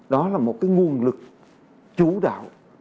đó là một cái nguồn lực chủ đạo